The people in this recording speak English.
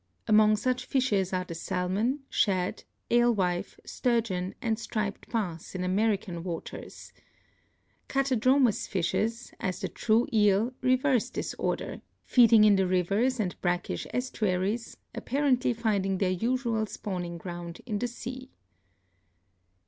Among such fishes are the salmon, shad, alewife, sturgeon and striped bass in American waters. Catadromous fishes, as the true eel, reverse this order, feeding in the rivers and brackish estuaries, apparently finding their usual spawning ground in the sea.